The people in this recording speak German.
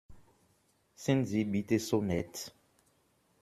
Sind Sie bitte so nett?